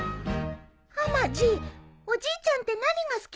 はまじおじいちゃんって何が好きなの？